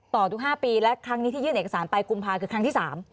ตรงนั้นอยู่๕ปีและครั้งนี้ที่ยืนเอกสารไปกุมภาคือครั้งอันที่๓